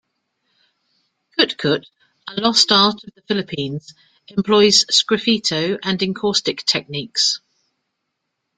Kut-kut, a lost art of the Philippines, employs sgraffito and encaustic techniques.